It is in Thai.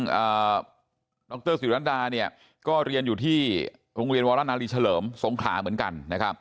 ดังนักศึกษีนรรดาก็เรียนอยู่ที่โรงเรียนวรรณาลีเฉลิมสงขาเหมือนกัน